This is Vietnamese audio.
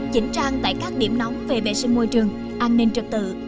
chỉnh trang tại các điểm nóng về vệ sinh môi trường an ninh trật tự